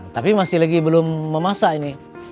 tapi masih lagi belum memasak ini